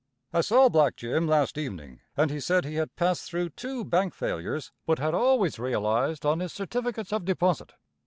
I saw Black Jim last evening and he said he had passed through two bank failures, but had always realized on his certificates of deposit.